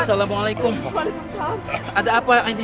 saya nggak tahu pak ustadz